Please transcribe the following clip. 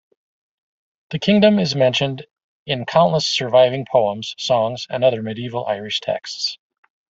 The kingdom is mentioned in countless surviving poems, songs and other medieval Irish texts.